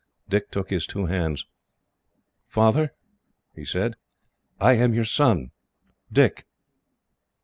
Dick took his two hands. "Father," he said, "I am your son, Dick."